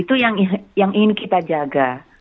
itu yang ingin kita jaga